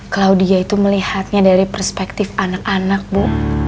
claudia itu melihatnya dari perspektif anak anak bu